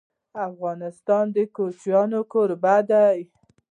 افغانستان د کوچیان کوربه دی.